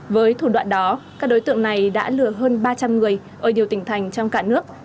với thủ đoạn đó các đối tượng này đã lừa hơn ba trăm linh người ở nhiều tỉnh thành trong cả nước